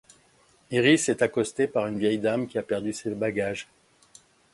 Iris est accostée par une vieille dame qui a perdu ses bagages.